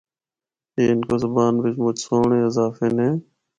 اے ہندکو زبان بچ مُچ سہنڑے اضافے نے۔